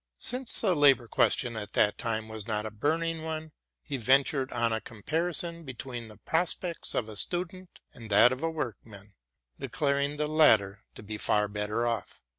Since the labour question at that time was not a burning one, he ventured on a comparison between the prospects of a student and that of a workman, declaring the latter to be far better off.